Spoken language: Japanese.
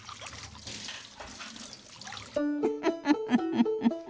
フフフフフ。